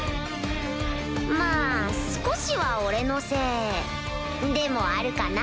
まぁ少しは俺のせいでもあるかな